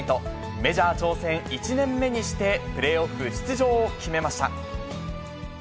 メジャー挑戦１年目にして、プレーオフ出場を決めました。